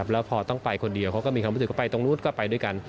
แล้วพอต้องไปคนเดียวเขาก็มีความรู้สึกว่าไปตรงนู้นก็ไปด้วยกัน